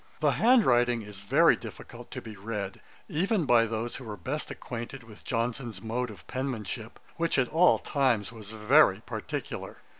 The hand writing is very difficult to be read, even by those who were best acquainted with Johnson's mode of penmanship, which at all times was very particular.